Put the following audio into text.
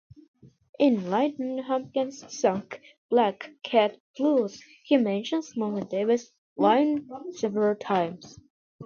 In Lightnin' Hopkins' song "Black Cat Blues" he mentions Mogen Davis Wine several times.